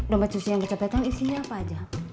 jompet susi yang kecopetan isinya apa aja